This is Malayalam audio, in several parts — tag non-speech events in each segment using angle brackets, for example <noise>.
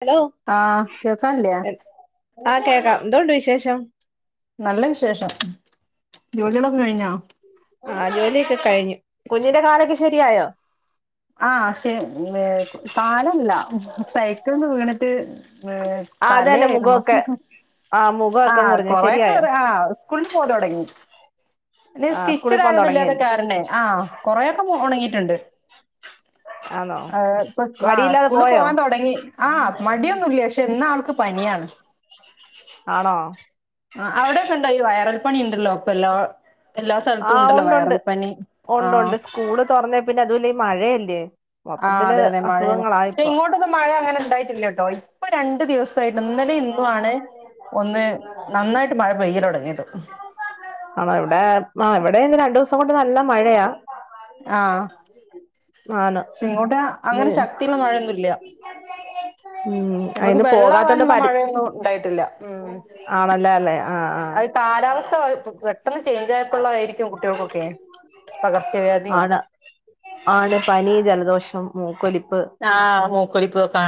ഹലോ ആഹ് കേക്കാല്ലേ എൻ ആഹ് കേൾക്കാം എന്തോണ്ട് വിശേഷം നല്ല വിശേഷം ജോലികളൊക്കെ കഴിഞ്ഞോ ആഹ് ജോലിയൊക്കെ കഴിഞ്ഞ് കുഞ്ഞിന്റെ കാലൊക്കെ ശരിയായോ ആഹ് ക്ഷെ വേ കാലല്ല സൈക്കിൾന്ന് വീണിട്ട് വേ തലയായിരുന്നു ആഹ് മുഖ ആഹ് കൊറെയൊക്കത് ആഹ് സ്കൂളിൽ പോകാൻ തുടങ്ങി നീ ആ സ്കൂളിൽ പോകാൻ സ്റ്റിച്ചഡാൻ ഒന്നും ഇല്ലാത്ത തുടങ്ങിയല്ലേ കാരണേ ആഹ് കൊറെ ഒക്കെ ഒന്ന് ഒണങ്ങിട്ടുണ്ട് ആഹ് ആഹ് ഇപ്പൊസ് ആഹ് സ്കൂളിൽ പോവാൻ തുടങ്ങി ആഹ് മടിയൊന്നും ഇല്ല പക്ഷെ ഇന്നാൾക്ക് പനിയാണ് ആണോ ആഹ് അവിടെക്കെ ഉണ്ടോ ഈ വൈറൽ പണി ഇണ്ടല്ലോ ഇപ്പ എല്ലാ എല്ലാ ആ സ്ഥലത്തും ഉണ്ടല്ലോ ഉണ്ടുണ്ട് വയറൽപനി ആഹ് ഉണ്ടുണ്ട് സ്കൂള് തൊറന്നേ പിന്നെ അതുമല്ല ഈ മഴയല്ലേ ആ മൊത്തത്തില് അതെ അതെ മഴയാണ് അസുഖങ്ങളാ പക്ഷെ ഇപ്പോ ഇങ്ങോട്ടൊന്നും മഴ അങ്ങനെ ഉണ്ടായിട്ടില്ല കേട്ടോ ഇപ്പൊ രണ്ടു ദിവസം ദിവസമായിട്ട് ഇന്നലെ ഇന്നുമാണ് ഒന്ന് നന്നായിട്ട് മഴ പെയ്യല് തൊടങ്ങിയത് ആ ഇവിടെ ആഹ് ഇവിടെയും രണ്ടു ദിവസം കൊണ്ട് നല്ല മഴയാ ആഹ് ഉ <inaudible> ഇങ്ങോട്ട് അങ്ങനെ ശക്തിയുള്ള മഴയൊന്നും ഇല്ല ഉം ഞങ്ങക്ക് അതിന് വെള്ളം പോകാത്തോണ്ട് ആവാനുള്ള പരി മഴയൊന്നും ഉണ്ടായിട്ടില്ല ഉം ആണല്ലേ അല്ലേ ആഹ് പിന്നെ കാലാവസ്ഥ പെട്ടെന്ന് ചേഞ്ച് ആയപ്പോള്ളതായിരിക്കും കുട്ടികൾക്കൊക്കെ പകർച്ചവ്യാധിയും- ആണ് ആണ് പനി ജലദോഷം മൂക്കൊലിപ്പ് ആഹ് മൂക്കൊലിപ്പ് ഒക്കെ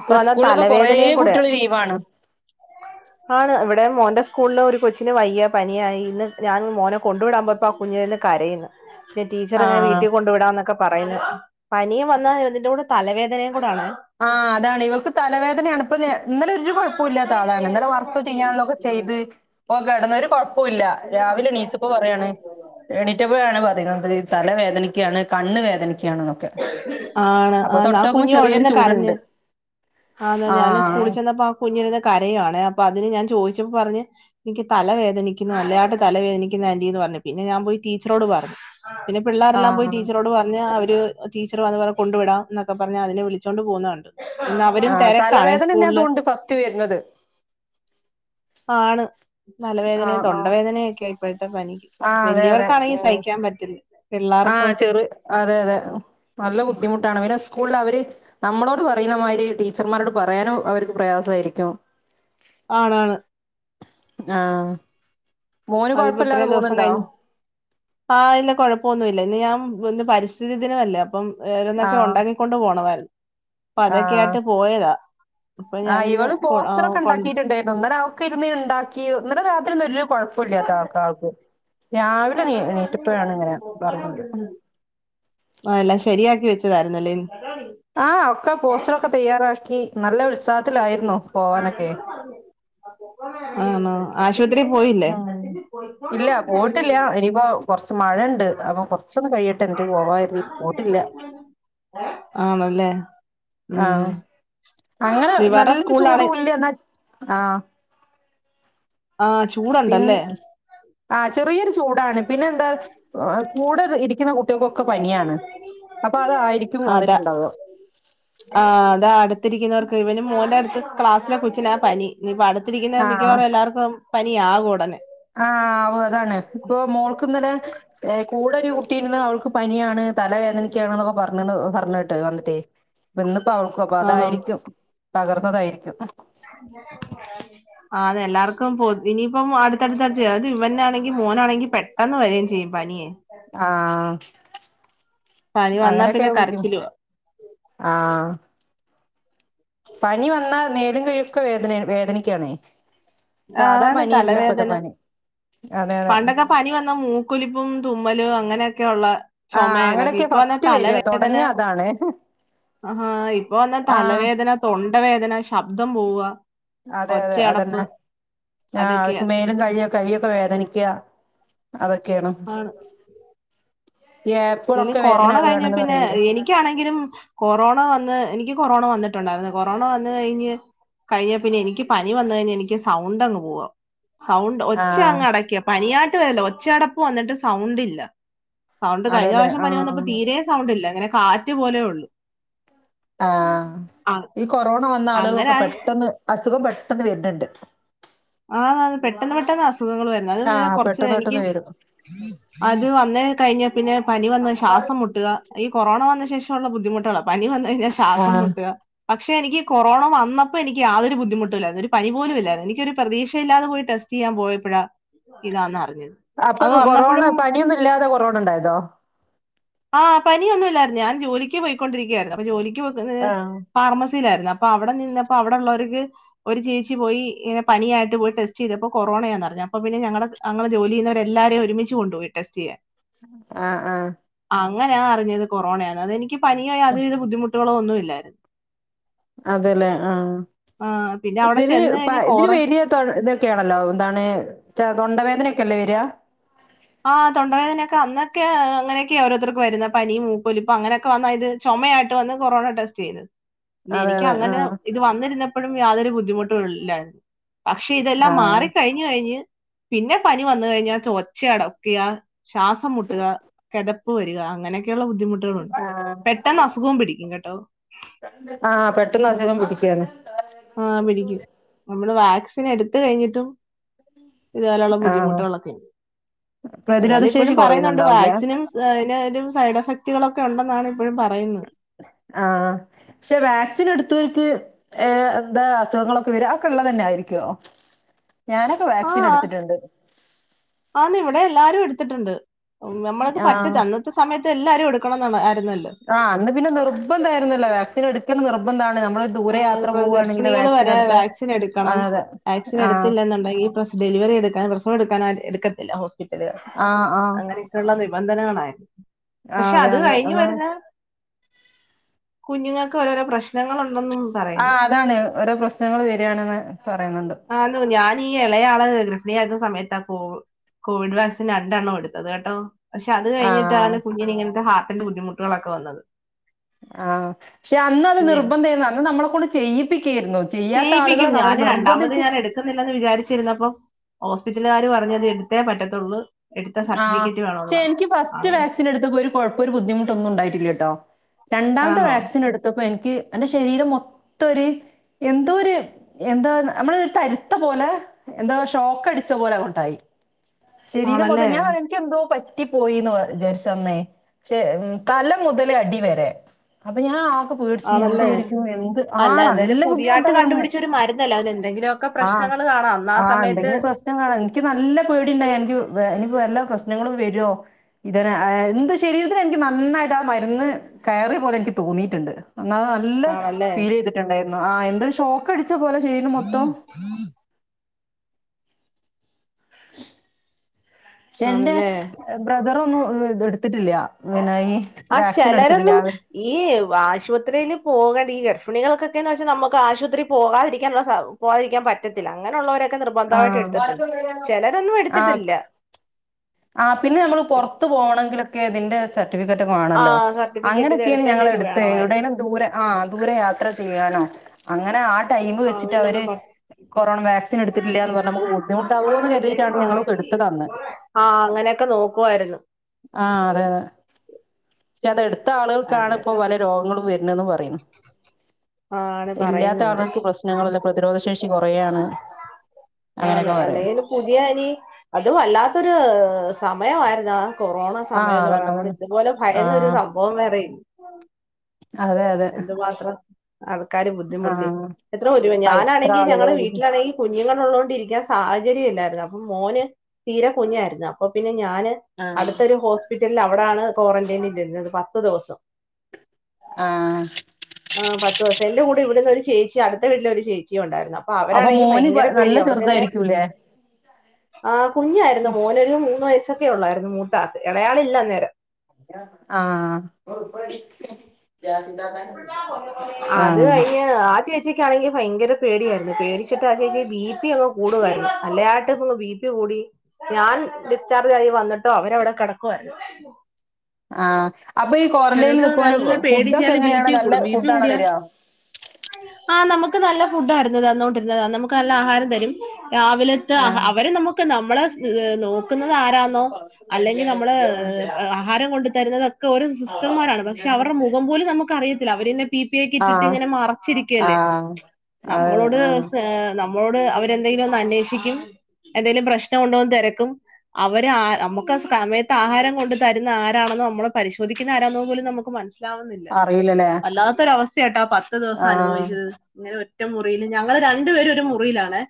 ഇപ്പൊ സ്കൂളിലൊക്കെ കൊറേ കുട്ടികള് ലീവാണ് ഉം ആണ് ഇവിടെ മോന്റെ സ്കൂളില് ഒരു കൊച്ചിന് വയ്യ പനിയായി ഇന്ന് ഞാൻ മോനെ കൊണ്ടു വിടാൻ പോയപ്പോ ആ കുഞ്ഞിന് തന്നെ - കരയുന്നു പിന്നെ ടീച്ചർ ആ ഇങ്ങനെ വീട്ടിൽ കൊണ്ടു വിടാന്നൊക്കെ പറയുന്നു പനിയും വന്നാ ഇതിന്റെ കൂടെ- തലവേദനയും കൂടാണ് ആഹ് അതാണ് ഇവർക്ക് തലവേദനയാണ് ഇപ്പൊ ഇന്നലെ ഒരു കൊഴപ്പവും ഇല്ലാത്ത ആളാണ് ഇന്നലെ വർക്ക് ചെയ്യാനുള്ളൊക്കെ ചെയ്ത് ഓൻ കെടന്ന് ഒരു കൊഴപ്പം- പ്പോവില്ല രാവിലെ എണീച്ചപ്പൊ പറയാണ് എണി - റ്റപ്പോഴാണ് പറയുന്നത് തല വേദനയ്ക്കയാണ് കണ്ണ് വേദനക്കയാണ് ആണ് ആന് ആ കുഞ്ഞും അവിടെ ചെറിയൊരു ഇരുന്ന് കരഞ് ചൂടുണ്ട് ആന് ആ ഞാന് സ്കൂളി ചെന്ന് - പ്പ ആ കുഞ്ഞിരുന്ന് കരയുവാണ് അപ്പൊ അതിന് ഞാൻ ചോദിച്ചപ്പോ പറഞ്ഞ്- എനിക്ക് തല വേദനിക്കുന്നു നല്ലതായിട്ട് തല വേദനിക്കുന്നു ആന്റിന്ന് പറഞ്ഞു പിന്നെ ഞാൻ പോയി ടീച്ചറോട് പറഞ്ഞു പിന്നെ ആ പിള്ളേരെല്ലാം പോയി ടീച്ചറോട് പറഞ്ഞ് അവര്- ടീച്ചർ വന്ന് പറഞ് കൊണ്ടുവിടാം എന്നൊക്ക പറഞ്ഞ് അതിനെ വിളിച്ചൊണ്ട് പോകുന്ന കണ്ട് ഇന്ന് അവരും ആ തെരക്കാണേ തലവേദന തന്നെ സ്കൂളില് അതുകൊണ്ട് ഫസ്റ്റ് വരുന്നത് ആണ് ആ വേദനയും ആ തൊണ്ട വേദനയൊക്കെയ ഇപ്പോഴത്തെ പനിക്ക് ആ വലിയവർക്കാണെങ്കിൽ സഹിക്കാൻ പറ്റുന്നില്ല ആഹ് ചെറു അതെ അതെ നല്ല ബുദ്ധിമുട്ടാണ് പിന്നെ സ്കൂളിൽ അവര്- നമ്മളോട് പറയുന്നമാതിരി ടീച്ചർമാരോട് പറയാനും അവർക്ക് പ്രയാസായിരിക്കും ആണ് ആണ് ആഹ് മോന് കൊഴപ്പില്ലാതെ പോന്നുണ്ടോ ആഹ് ഇല്ല കുഴപ്പൊന്നുല്ല ഇന്ന് ഞാൻ ഇന്ന് പരിസ്ഥിതി ദിനവല്ലേ അപ്പം ഏതെലുവോക്കെ ആഹ് ഉണ്ടാക്കി- കൊണ്ട് പോണമായിരുന്നു അപ്പൊ ആഹ് അതൊക്കെയായിട്ട് പോയതാ അപ്പൊ ഞാനിന്ന് കൊ കൊണ്ടാ - ഉണ്ട ഒന്നാ <unintelligible> ഇരുന്ന് ഒണ്ടാക്കി ഇന്നലെ രാത്രിയില് ഒരു - കൊഴപ്പില്ലാത്ത ആൾ ആൾക്ക് രാവിലെ എണീറ്റിപ്പോഴാണ് ഇങ്ങനെ പറഞ്ഞത് ആഹ് എല്ലാം ശരിയാക്കി വെച്ചതായിരുന്നുയില്ലേ ആഹ് ഒക്കെ പോസ്റ്ററൊക്കെ തയ്യാറാക്കി നല്ല ഉത്സാഹത്തിലായിരുന്നു പോവാനൊക്കെ ആണോ ആശുപത്രി പോയി ഉം ഇല്ല പോട്ടില്ല ഇനിപ്പോ- കൊറച്ച് മഴയണ്ട് അപ്പൊ കൊറച്ചൊന്ന് കഴിയട്ട് എന്നിട്ട് പോവ പോട്ടില്ല ആണല്ലേ ഉം ആഹ് അങ്ങനെ ദിവാറ നല്ലരു സ്കൂളാണ് ചൂടുല്ലാ ന്നാ ആഹ് ആഹ് ചൂട് പിൻ ആഹ് ചെറിയൊരു ചൂടാണ് പിന്നെ എന്താ കൂടെ ഇരിക്കുന്ന കുട്ടിയൊകൊക്കെ പനിയാണ് അപ്പൊ അതായിരിക്കും വന്നിട്ടുണ്ടാവ ആഹ് അതാ അടുത്തിരിക്കുന്നവർക്ക് ഇവനും മോൻന്റെ അടുത്ത് ക്ലാസ്സിലെ ക്കെച്ചിനാ പനി ഇനിയിപ്പൊ അടുത്തിരിക്കുന്ന ആഹ് മിക്കവാറും എല്ലാവർക്കും പനിയാകും ഉടനെ ആഹ് ആവും അതാണ് ഇപ്പൊ മോൾക്ക് ഇന്നലെ ഏ കൂടെ ഒരു കുട്ടിഇന്ന് അവൾക്ക് പനിയാണ് തല വേദനിക്കാണ് ന്നൊക്കെ പറ്ഞ്ഞ് ന്ന് പറ്ഞ്ഞേട്ട് വന്നിട്ടേ ഇന്ന് ഇപ്പോ അവൾക്കും അപ്പ ആണോ അതായിരിക്കും പകർന്നതായിരിക്കും <unintelligible> ആഹ് അതെ എല്ലാർക്കും പോ ഇനിയിപ്പം അടുത്തടുത്ത് അടുത്ത് അത് ഇവനാണെങ്കിൽ മോനാണെങ്കി പെ ട്ടന്ന് വര് ചെയ്യും പനിയേ ആഹ് പനി വന്നാ പിന്നെ അങ്ങനെയൊക്കെയ ബുദി മു കരച്ചിലുവാ ആഹ് പനി വന്നാ മേലും കഴൊക്കെ വേദന വേദനിക്കാണേ സാധാ ആണ് പനിയല്ല ഇപ്പത്ത തലവേദന പനി അതെ അതെ പണ്ടൊക്കെ പനി വന്നാ മൂക്കൊലിപ്പും തുമ്മലും അങ്ങനെയൊക്കെ ഉള്ള ചുമ ആഹ് ഇതക്കെ അങ്ങനെയൊക്കെ ഇപ്പ ഫസ്റ്റ് വരിക വന്നതലവേദന തൊടങ്ങുക അതാണ്. ആഹാ ഇപ്പൊ വന്ന ആഹ് തലവേദന തൊണ്ടവേദന ശബ്ദം പോവുക അതെ അതെ ഒച്ചയടപ്പ് അതന്നെ ആഹ് അതൊക്കെ അവർക്ക് മേലും കയ്ക്കെ കഴിയൊക്കെ വേദനിക്ക അതൊക്കെണ് ആണ് ഏപ്പ് കളൊക്കെ വേദന ആവണ്ന്ന് പറയുന്നുണ്ട് ഇക്ക്യ ആണെങ്കിലും കൊറോണ വന്ന് എനിക്ക് കൊറോണ വന്നിട്ടുണ്ടായിരുന്നു കൊറോണ വന്ന് കഴിഞ്ഞ് കഴിഞ്ഞ പിന്നെ എനിക്ക് പനി വന്ന് കഴിഞ്ഞാ എനിക്ക് സൗണ്ട് അങ്ങ് പോവ സൗണ്ട് ഒച്ച ആഹ് അങ്ങ് അടക്യ പനിയായിട്ട് വരല്ല ഒച്ച അടപ്പ് വന്നിട്ട് സൗണ്ട്ല്ല സൗണ്ട് കഴിഞ്ഞ അതല്ലേ പ്രാവശ്യം പനി ആഹ് വന്നപ്പോ തീരെ സൗണ്ട്ല്ല ഇങ്ങനെ കാറ്റ് പോലെ ഒള്ളു ആഹ് ഈ കൊറോണ വന്ന അങ്ങനെ ആളുകൾക്കൊക്കെ ആയി പെട്ടെന്ന് അസുഖം പെട്ടെന്ന് വരുന്ന്ണ്ട് ആഹ് പെട്ടെന്ന് പെട്ടെന്ന് അസുഖങ്ങൾ വരുന്നു അത് മുന്നെ ആഹ് കുറച്ച് പെട്ടെന്ന് എനിക്ക് പെട്ടെന്ന് വരും അത് വന്ന് കഴിഞ്ഞ പിന്നെ പനി വന്ന് ശ്വാസം മുട്ടുക ഈ കൊറോണ വന്ന ശേഷമുള്ള ബുദ്ധിമുട്ടുകളാ പനി വന്നു കഴിഞ്ഞാൽ ശ്വാസം ആഹ് മുട്ട് പക്ഷെ എനിക്ക് കൊറോണ വന്നപ്പോ എനിക്ക് യാതൊരു ബുദ്ധിമുട്ട ഇല്ലായിരുന്നു ഒരു പനിപ്പൊ പോലും ഇല്ലായിരുന്നു എനിക്കൊരു പ്രതീക്ഷയില്ലാതെ പോയി ടെസ്റ്റ് ചെയ്യാൻ പോയപ്പോഴാ ഇതാന്ന് അറിഞ്ഞത് അപ്പൊ അത് കൊറോണ വന്നപ്പോഴും പനിയൊന്നും ഇല്ലാതെ കൊറോണ ഉണ്ടായതോ ആഹ് പനിയൊന്നും ഇല്ലായിരുന്നു ഞാൻ ജോലിക്ക് പോയിക്കൊണ്ടിരിക്കുകയായിരുന്നു അപ്പൊ ജോലിക്ക് പോകുന്നത് ആഹ് ഫാർമസിയിലായിരുന്നു അപ്പൊ അവിടെ നിന്നപ്പോ അവിടെ ഉള്ളവർക്ക് ഒരു ചേച്ചി പോയി ഇങ്ങനെ പനിയായിട്ട് പോയി ടെസ്റ്റ് ചെയ്തപ്പോ കൊറോണന്ന് പറഞ്ഞു അപ്പൊ പിന്നെ ഞങ്ങളത് ഞങ്ങള് ജോലി ചെയുന്നവരെ എല്ലാരെയും ഒരുമിച്ച് കൊണ്ട് പോയി ടെസ്റ്റ് ചെയാൻ ആഹ് ആഹ് അങ്ങനെയാ അറിഞ്ഞത് കൊറോണയാന്ന് അതെനിക്ക് പനിയോ യാതൊരു വിധ ബുദ്ധിമുട്ടുകളോ ഒന്നും ഇല്ലായിരുന്നു അതെല്ലേ ആഹ് പിന്നെ അവിടെ ഇതിന് ചെന്ന് പ കഴിഞ്ഞ് ഇതിന് കോറ വലിയ തൊ <unintelligible> ക്കെ ആണല്ലോ എന്താണ് ച്ച തൊണ്ടവേദനൊക്കെല്ലേ വരാ ആഹ് തൊണ്ട വേദനൊക്കെ അന്നൊക്കെ അങ്ങനൊക്കെ ഓരോര്ത്തർക്കും വരുന്ന പനിയും മൂക്കൊലിപ്പും അങ്ങനെയൊക്കെ വന്ന ഇത് ചുമയായിട്ട് വന്ന് കൊറോണ ടെസ്റ്റ് ചെയ്ത് പിന്നെ അതെ എനിക്ക് അതെ അങ്ങനെ ആഹ് ഇത് വന്നിരുന്നപ്പോഴും യാതൊരു ബുദ്ധിമുട്ടും ഇല്ലായി <inaudible> പക്ഷെ ഇതെല്ലാം ആഹ് മാറിക്കഴിഞ്ഞ് കഴിഞ്ഞ് പിന്നെ പനി വന്ന് കഴിഞ്ഞാൽ ചോ ഒച്ച അടക്കുക ശ്വാസം മുട്ടുക കിതപ്പ് വരിക അങ്ങനെയൊക്കെയുള്ള ബുദ്ധിമുട്ടുകളുണ്ട് പെട്ടെന്ന് അസുഖവും പിടിക്കും കെട്ടോ ആഹ് പെട്ടെന്ന് അസുഖം പിടിക്കുവാണ് ആഹ് പിടിക്കും നമ്മള് വാക്സിൻ എടുത്ത് കഴിഞ്ഞിട്ടും ഇതുപോലെയുള്ള ആഹ് ബുദ്ധിമുട്ടുകളൊക്കെ പ്രതിരോധ എന്നാലും ശേഷി ഇപ്പഴും പറയുന്നുണ്ട് കുറയുന്നുണ്ടാവൂലേ വാക്സിനും അയ്നും അയ്ന്റെ സൈഡ് എഫക്റ്റുകളൊക്കെ ഉണ്ടെന്നാണ് ഇപ്പഴും പറയുന്നത് ആഹ് പക്ഷെ വാക്സിൻ എടുത്തവർക്ക് ഏഹ് എന്താ അസുഖങ്ങളൊക്കെ വരും അത് ഒക്കെ ഉള്ളത് തന്നെ ആയിരിക്കോ ഞാനൊക്കെ ആ വാക്സിൻ എടുത്തിട്ടുണ്ട് ആന്ന് ഇവിടെ എല്ലാരും എടുത്തിട്ടുണ്ട് ഉം നമ്മൾക്ക് ആഹ് പറ്റത്ത അന്നത്തെ സമയത്ത് എല്ലാരും എടുക്കണം ആരുന്നല്ലോ ആഹ് അന്ന് പിന്നെ നിർബന്ധ ആരുന്നല്ലോ വാക്സിൻ എടുക്കൽ നിർബന്ധാണ് നമ്മള് ദൂരെ യാത്ര ആഹ് പോവുകയാണെങ്കിൽ ഗർഭിണികൾ വാക്സിൻ വരെ എടുത്ത വാക്സിൻ എടുക്കണം ആഹ് അതെ വാക്സിൻ ആഹ് എടുത്തില്ലെന്നു ഈ പ്രസ ഡെലിവറി എടുക്കാൻ പ്രസവം എടുക്കാൻ എടുക്കത്തില്ല ഹോസ്പിറ്റലുകൾ ആഹ് ആഹ് അങ്ങനെയൊക്കെയുള്ള നിബന്ധനകളായിരുന്നു ആഹ് പക്ഷെ അതെ അത് അന്ന് കഴിഞ്ഞ് അന്ന് വരുന്ന കുഞ്ഞുങ്ങൾക്ക് ഓരോരോ പ്രശ്നങ്ങൾ ഉണ്ടെന്നും ആഹ് അതാണ് ഓരോ പ്രശ്നങ്ങൾ വരാണെന്ന് പറയുന്നുണ്ട് ആലോ ഞാനീ എളയാളെ <unintelligible> യിരുന്ന സമയത്താ കോവ് കോവിഡ് വാക്സിൻ രണ്ടെണ്ണം എടുത്തത് കേട്ടോ പക്ഷെ അത് ആഹ് കഴിഞ്ഞിട്ടാണ് കുഞ്ഞിന് ഇങ്ങനത്തെ ഹാർട്ടിന്റെ ബുദ്ധിമുട്ടുകളൊക്കെ വന്നത് ആഹ് പക്ഷെ അന്ന് അത് ഇല്ലേ? നിർബന്ധായിരുന്നു അന്ന് നമ്മളെ കൊണ്ട് ചെയ്യിപ്പിക്കായിരുന്നു ചെയ്യാത്ത ആളുകളെ ചെയ്യിപ്പിക്കും അവരെ ഞാന് രണ്ടാമത് നിർബന്ധിച്ച് ഞാന് എടു ക്കുന്നില്ലന്ന് വിചാരിച്ചിരുന്നപ്പം ഹോസ്പിറ്റലുകാര് പറഞ്ഞത് എടുത്തേ പറ്റത്തുള്ളൂ എടുത്ത സർട്ടിഫിക്കറ്റ് വേണം വേണോന്ന് പറഞ്ഞു അവ് ത്തിന് എടുത്തപ്പോ ഒരു കൊഴപ്പോ ബുദ്ധിമുട്ടൊന്നും ഉണ്ടായിട്ടില്ല കേട്ടോ രണ്ടാത്തെ ആണോ വാക്സിൻ എടു ഇപ്പൊ എനിക്ക് എന്റെ ശരീരം മൊത്തം ഒരു എന്തോ ഒരു എന്താ നമ്മള് ഒര് തരുത്ത പോലെ എന്താ ഷോക്ക് അടിച്ച പോലെ അങ്ങോട്ടായി. ആണല്ലേ എനിക്കെന്തോ പറ്റി പോയിന്ന് വിചാരിച്ചന്നെ പക്ഷെ തല മുതൽ അടി വരെ. അപ്പൊ ഞാൻ ആകെ പേടിച്ച് ആണല്ലേ എന്തായിരിക്കും എന്ത് അല്ല ആഹ് എന്തായാലും നല്ല പുതിയായിട്ട് ബുദ്ധിമുട്ടായി അന്ന്. കണ്ടുപിടിച്ച ഒരു മരുന്നല്ലേ അതിന് എന്തെങ്കിലുമൊക്കെ ആഹ് പ്രശ്നങ്ങൾ കാണാം അന്ന് ആ ആഹ് സമയത്ത് എന്തെങ്കിലും പ്രശ്നം കാണാം എനിക്ക് നല്ല പേടി ഉണ്ടായി എനിക്ക്. വ എനിക്ക്‌ വല്ല പ്രശ്നങ്ങളും വരോ ഇത എന്തോ ശരീരത്തില് എനിക്ക് നന്നായിട്ട് ആ മരുന്ന്. കയറിയ പോലെ എനിക്ക് തോന്നിയിട്ടുണ്ട് <unintelligible> നല്ല ആണല്ലേ ഫീൽ ചെയ്തിട്ടുണ്ടായിരുന്നു ആ എന്തരു ഷോക്ക് അടിച്ച പോലെ ശരിരം മൊത്തം. ഉം പക്ഷെ എന്റെ ആണല്ലേ ബ്രദറൊന്നും ഇത് എടുത്തിട്ടില്ല. ഇങ്ങനെ ഈ ആ വാക്സിൻ എടുത്തിട്ടില്ല ചെലരൊന്നും ആള് ഈ ആശുപത്രിയിൽ പോകേണ്ട ഈ ഗർഭിണികൾക്കൊക്കെന്ന് വെച്ചാൽ നമുക്ക് ആശുപത്രിയിൽ പോകാതിരിക്കാനുള്ള സൗ പോവാതിരിക്കാൻ പറ്റത്തില്ല അങ്ങനെയുള്ളവരൊക്കെ നിർബന്ധമായിട്ട് ആഹ് എടുത്തിട്ടുണ്ട്. ചെലരൊന്നും എടുത്തിട്ടില്ല. ആഹ് പിന്നെ നമ്മൾ പൊറത്ത് പോണെങ്കിലൊക്കെ ക്കെ ഇതിന്റെ സർട്ടിഫിക്കറ്റ് ആ വാണല്ലോ സർട്ടിഫിക്കറ്റ് ഇത് അങ്ങനെയൊക്കെയാണ് എടുത്തതിന്റെ ഞങ്ങള് ഇത് എടുത്തത് വേണമായിരുന്നു എവിടേലും ദൂരെ ആഹാ അങ്ങട് യാത്ര ചെയ്യാനോ അങ്ങനെ ആ ടൈമ് ആ വെച്ചിട്ട് അങ്ങനൊന്നും അവര്- പറ കൊറോണ വാക്സിൻ എടുത്തിട്ടില്ല എന്ന് പറഞ്ഞാ നമ്മക്ക് ബുദ്ധിമുട്ടാവോ എന്ന് കരുതിട്ടാണ് ഞങ്ങളും എടുത്ത്ത് അന്ന് ആഹ് അങ്ങനെയൊക്കെ നോക്കുവായിരുന്നു. ആഹ് അതെ അതെ. പക്ഷെ അത് എടുത്ത ആളുകൾക്കാണ് ഇപ്പ അങ്ങനെയൊക്കെ പല രോഗങ്ങളും വരുന്നതെന്ന് പറയുന്നു. ആണ് ഇല്ലാത്ത പറയുന്നുണ്ട് ആളുകൾക്ക് പ്രശ്നങ്ങളല്ല പ്രതിരോധ ശേഷി കൊറയാണ്. ആണ് അങ്ങനെയൊക്കെ പറയും അല്ലെങ്കിൽ പുതിയ ഇനി അതും വല്ലാത്തൊരു സമയമായിന്നാ. കൊറോണ ആ സമയം എന്ന് പറഞ്ഞ അതന്നെ നമ്മള് അതന്നെ ഇതുപോലെ ആ ഭയന്നൊരു സംഭവം വേറെയില്ല അതെ അതെ ത്രം ആൾക്കാര് ആ ബുദ്ധിമുട്ടി എത്ര ഒരു <unintelligible> മം ആ ഇത്ര ഞാനാണെങ്കിൽ ആളുകൾ ഞങ്ങളടെ വീട്ടിലാണെങ്കിൽ. കുഞ്ഞുങ്ങൾ ഉള്ളോണ്ട് ഇരിക്കാൻ സാഹചര്യം ഇല്ലായിരുന്നു. അപ്പൊ മോന് തീരെ കുഞ്ഞായിരുന്നു അപ്പൊ പിന്നെ ഞാന്- ആ അടുത്തൊരു ഹോസ്പിറ്റലിൽ അവിടൊണ് ക്വാറന്റൈൻ ഇരുന്നത് പത്തു ദിവസം. ആഹ് ആ പത്ത് ദിവസം എന്റെ കൂടെ ഇവിടന്ന് ഒരു ചേച്ചി അടുത്ത വീട്ടില് ഒരു ചേച്ചിയുംണ്ടായിരുന്നു അപ്പൊ അവരാണെങ്കിൽ മോന് ഭയങ്കര പ- പേടി നല്ല അവർക്ക് ഇങ്ങനെ- ചെറുതായിരിക്കൂലേ ആ കുഞ്ഞായിരുന്നു മോന് ഒരു മൂന്ന് വയസ്സൊക്കെ ഉള്ളായിരുന്നു മൂത്ത അൾക്ക് എളയ ആള് ഇല്ല അന്നേരം. ആഹ് ജാസിത്താത്ത <unintelligible> അത് കയ്യ് ആദ്യം ആ ചേച്ചിക്ക് ആണെങ്കിൽ ഭയങ്കര പേടിയായിരുന്നു പേടിച്ചിട്ട് ആ ചേച്ചി ബി പി അങ് കൂടുമായിരുന്നു നല്ലതായിട്ട് ബി പി- ബിപി കൂടി ഞാൻ ഡിസ്ചാർജ് ആയി വന്നിട്ടും അവര് അവിടെ കെടക്കുവയിരുനു. ആഹ് അപ്പൊ ഈ ക്വാറന്റൈനിൽ ചിലർക്ക് നല്ല നിക്കുവവാ ഫുഡൊക്കെ എങ്ങനെയാണ് നല്ല ഫുഡ് ആണോ തരിക. അ <unintelligible> ആഹ് നമുക്ക് നല്ല ഫുഡ് ആരുന്നത് തന്നോണ്ടിരുന്നത്. നമുക്ക് നല്ല ആഹാരം തരും. രാവിലെ- ആഹ് അവര് നമുക്ക് നമ്മളെ നോക്കുന്നത് ആരാണോ. അല്ലെങ്കിൽ നമ്മള് ആഹാരം കൊണ്ട് തരുന്നത്തൊക്കെ ഓരോ സിസ്റ്റർമാരാണ് പക്ഷെ അവരുടെ മുഖം പോലും നമുക്ക് അറിയത്തില്ല. അവര് തന്നെ - പി പി ക്ക ഇട്ടിട്ട് ആഹ് ഇങ്ങനെ മറച്ചിരിക്കല്ലേ. ആഹ് അത് നമ്മളോട് ആഹ് നമ്മളോട് അവരെന്തെങ്കിലും ഒന്ന് അന്വേഷിക്കും. എന്തെങ്കിലും പ്രശ്നം ഉണ്ടോന്ന് തെരക്കും. അവര് ആ നമുക്ക് സമയത്ത് ആഹാരം കൊണ്ട് തരുന്ന ആരാണെന്ന് നമ്മള് - പരിശോധിക്കുന്ന ആരാന്ന് പോലും നമുക്ക് മനസ്സിലാവുന്നില്ല അറിയില്ലല്ലേ വല്ലാത്തൊരു അവസ്ഥ കേട്ടോ ആ പത്ത് - പത്ത് ദിവസം ആഹ് അനുഭവിച്ചത്. ഇങ്ങനെ ഒറ്റ മുറിയിൽ ഞങ്ങള് രണ്ടു പേരും ഒരു മുറിയിലാണ്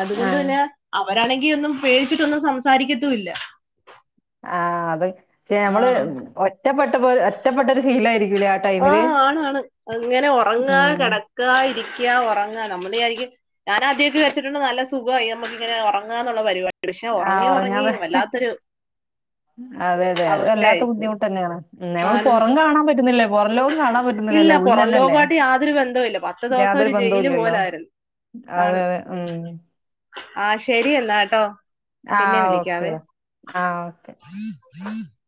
അതുകൊണ്ട് ആഹ് പിന്നെ അവരാണെങ്കിൽ ഒന്നും പേടിച്ചിട്ടൊന്നും സംസാരിക്കത്തുയില്ല. ആ അത് പക്ഷെ നമ്മള് ആ ഒറ്റപ്പെട്ടപ്പോലെ ഒറ്റപ്പെട്ടരു ഫീലായിരിക്കും. ആഹ് ആണ് ആണ് അങ്ങനെ ഒറങ്ങാ ഉം കെടക്കാ ഇരിക്കാ ഒറങ്ങാ നമ്മളള് വിചാരിക്കും ഞാനാ ആദ്യായിട്ട് വെച്ചിട്ടുണ്ട് നല്ല സുഖമായി നമുക്ക് ഇങ്ങനെ ഒറങ്ങാന്നുള്ള പരിപാടി പക്ഷെ ആഹ് ഒറങ്ങി ഒറങ്ങി ഉറങ്ങാതെ വല്ലാത്തൊരു- അതെ അതെ അത് വല്ലാത്ത അവസ്ഥയായിപ്പോയി ബുദ്ധിമുട്ട് തന്നെയാണ് നമ്മള് ആരും പൊറം കാണാൻ പറ്റുന്നില്ല ഇ പൊറം ലോകം കാണാൻ ഇല്ല പറ്റുന്നില്ലല്ലോ പൊറം ഉള്ളിലന്നല്ലെ ലോകമായിട്ട് യാതൊരു ബന്ധവുമില്ല പത്ത് ദിവസം യാതൊരു ഒരു ബന്ധവും ജയില് ഇല്ലല്ലോ പോലായിരുന്നു അതെ അതെ ഉം ആഹ് ശരി എന്നാ ട്ടോ പിന്നെ ആഹ് വിളിക്കാവേ ഓക്കേടാ ആഹ് ഓക്കെ അഹ് <unintelligible>